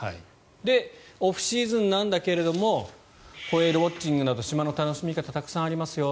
オフシーズンなんだけどもホエールウォッチングなど島の楽しみ方がたくさんありますよ。